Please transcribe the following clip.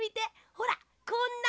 ほらこんなに。